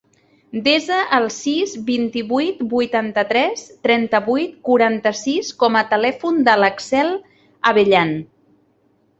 Desa el sis, vint-i-vuit, vuitanta-tres, trenta-vuit, quaranta-sis com a telèfon de l'Axel Abellan.